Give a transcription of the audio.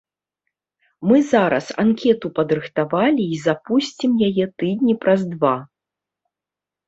Мы зараз анкету падрыхтавалі і запусцім яе тыдні праз два.